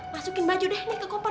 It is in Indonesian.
masukin baju deh ke koper